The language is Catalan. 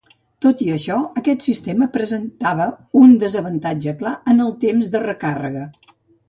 Tot i això aquest sistema presentava un desavantatge clar en el temps de recàrrega.